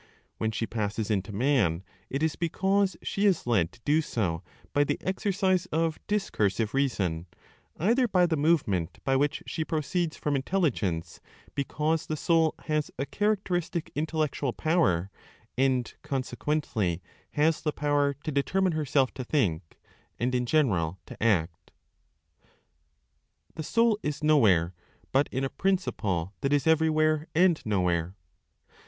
When she passes into man, it is because she is led to do so by the exercise of discursive reason, either by the movement by which she proceeds from Intelligence, because the soul has a characteristic intellectual power, and consequently has the power to determine herself to think, and in general, to act. THE SOUL IS NOWHERE BUT IN A PRINCIPLE THAT IS EVERYWHERE AND NOWHERE.